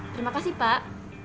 terima kasih pak